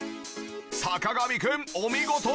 坂上くんお見事！